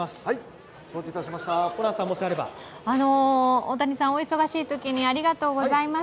大谷さん、お忙しいときにありがとうございます。